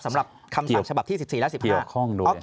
สำหรับคำสั่งขอสชที่๑๔และ๑๕